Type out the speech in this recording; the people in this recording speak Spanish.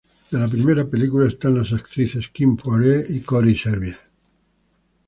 De la primera película, están las actrices Kim Poirier y Corey Sevier.